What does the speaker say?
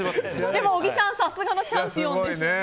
でも小木さん、さすがのチャンピオンですね。